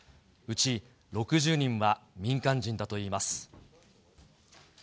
うち６０人は民間人だといいます。